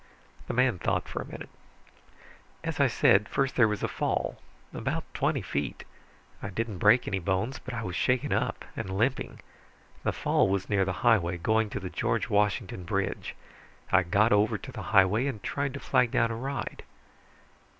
The man thought for a minute. "As I said, first there was a fall. About twenty feet. I didn't break any bones, but I was shaken up and limping. The fall was near the highway going to the George Washington Bridge. I got over to the highway and tried to flag down a ride."